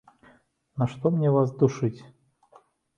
Нашто мне вас душыць?